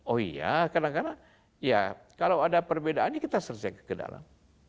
oh ya kadang kadang ya kalau ada perbedaannya kita selesaikan ke dalam